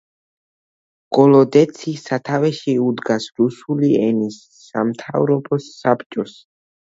გოლოდეცი სათავეში უდგას რუსული ენის სამთავრობო საბჭოს.